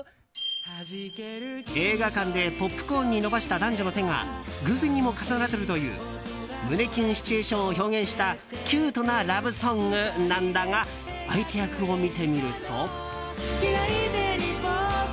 映画館でポップコーンに伸ばした男女の手が偶然にも重なるという胸キュンシチュエーションを表現したキュートなラブソングなんだが、相手役を見てみると。